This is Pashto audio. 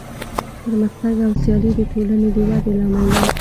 پرمختګ او سیالي د ټولنې د ودې لامل دی.